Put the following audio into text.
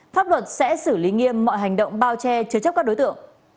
pháp luật sẽ xử lý nghiêm mọi hành động bao che chứa chấp các đối tượng